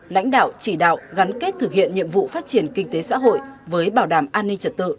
lãnh đạo chỉ đạo gắn kết thực hiện nhiệm vụ phát triển kinh tế xã hội với bảo đảm an ninh trật tự